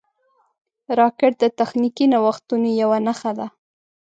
راکټ د تخنیکي نوښتونو یوه نښه ده